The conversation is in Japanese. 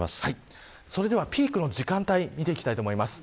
それではピークの時間帯を見ていきます。